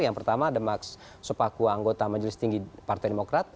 yang pertama demaks supaku anggota majelis tinggi partai demokrat